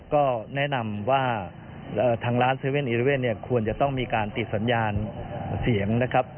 ก็แนะนำว่าทางร้าน๗๑๑เนี่ยควรจะต้องมีการติดสัญญาณเสียงนะครับ